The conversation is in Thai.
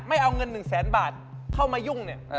ไม่เอาเงิน๑แสนบาทเข้ามายุ่งเนี่ย